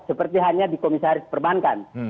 seperti hanya dikomisaris perbankan